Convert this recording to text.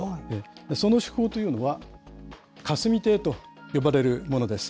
その手法というのは、霞提と呼ばれるものです。